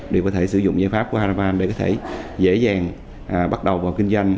đều có thể sử dụng giải pháp của haravan để có thể dễ dàng bắt đầu vào kinh doanh